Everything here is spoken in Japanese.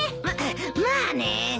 ままあね。